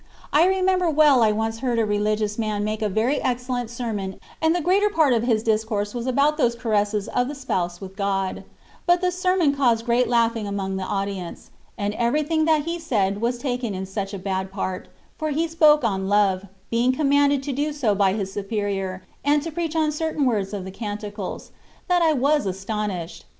I remember well I once heard a religious man make a very excellent sermon and the greater part of his discourse was about those caresses of the Spouse with God ; but the sermon caused great laughing among the audience ; and everything that he said was taken in such bad part (for he spoke on love, being commanded to do so by his Superior, and to preach on certain words of the Canticles), that I was astonished.